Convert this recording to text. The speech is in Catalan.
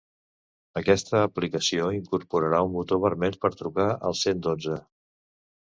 Aquesta aplicació incorporarà un botó vermell per trucar al cent dotze.